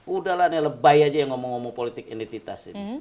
udah lah ini lebay aja yang ngomong ngomong politik identitas ini